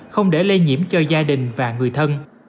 không để lây nhiễm cho gia đình và người thân